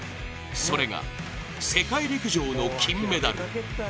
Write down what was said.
それが、世界陸上の金メダル。